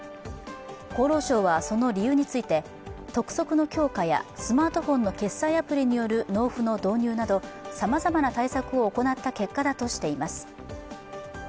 厚労省はその理由について、督促の強化やスマートフォンの決済アプリによる納付の導入などさまざまな対策を行った結果だとしています。